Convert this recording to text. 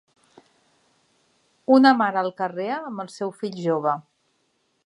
Una mare al carrer amb el seu fill jove